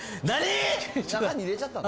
何？